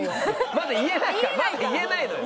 まだ言えないのよ。